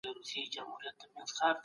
باید د ماشین الاتو استهلاک محاسبه سي.